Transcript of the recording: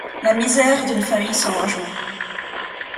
La misère d'une famille sans logement.